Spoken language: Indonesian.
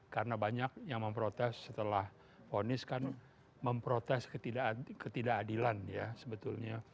karena banyak yang memprotes setelah ponis kan memprotes ketidakadilan ya sebetulnya